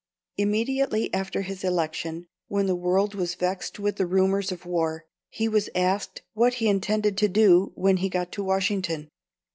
Immediately after his election, when the world was vexed with the rumours of war, he was asked what he intended to do when he got to Washington?